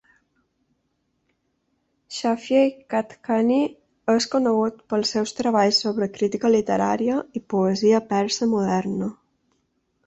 Shafiei-Kadkani és conegut pels seus treballs sobre crítica literària i poesia persa moderna.